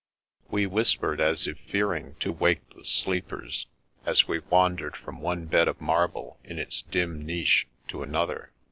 We whispered as if fearing to wake the sleepers, as we wandered from one bed of marble in its dim niche, to another.